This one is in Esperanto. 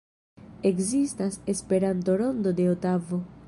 Ekzistas Esperanto-Rondo de Otavo.